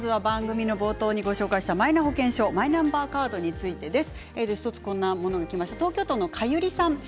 冒頭にご紹介した、マイナ保険証マイナンバーカードについてです。